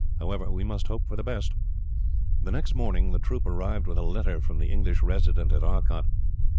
However, we must hope for the best." The next morning, the troopers arrived with a letter from the English resident at Arcot.